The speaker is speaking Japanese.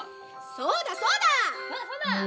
そうだそうだ！